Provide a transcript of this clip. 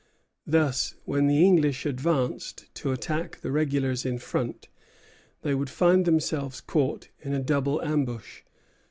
Thus, when the English advanced to attack the regulars in front, they would find themselves caught in a double ambush.